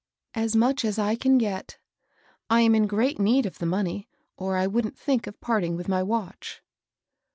^^ As much as I can get. I am in great need of the money, or I wouldn't think of parting with my watch."